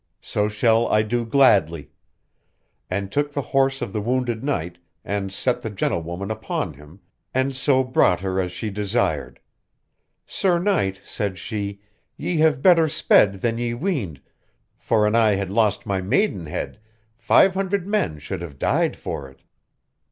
So shall I do gladly: and took the horse of the wounded knight, and set the gentlewoman upon him, and so brought her as she desired. Sir knight, said she, ye have better sped than ye weened, for an I had lost my maidenhead, five hundred men should have died for it.